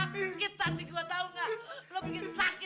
sakit hati gue tahu gak